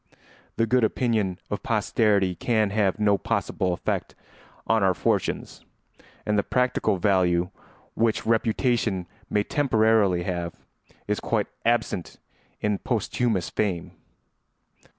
The good opinion of posterity can have no possible effect on our fortunes, and the practical value which reputation may temporarily have is quite absent in posthumous fame.